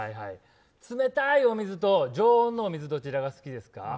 冷たい水と常温の水どちらが好きですか？